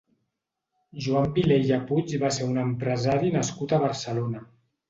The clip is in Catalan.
Joan Vilella Puig va ser un empresari nascut a Barcelona.